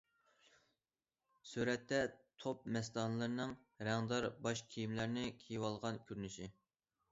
سۈرەتتە، توپ مەستانىلىرىنىڭ رەڭدار باش كىيىملەرنى كىيىۋالغان كۆرۈنۈشى.